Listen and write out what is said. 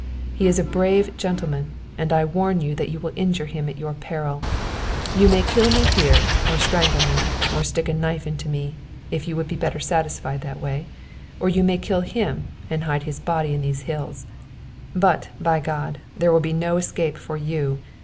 He is a brave gentleman, and I warn you that you will injure him at your peril. You may kill me here or strangle me or stick a knife into me, if you will be better satisfied that way; or you may kill him and hide his body in these hills; but, by God, there will be no escape for you!